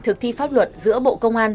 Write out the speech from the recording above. thực thi pháp luật giữa bộ công an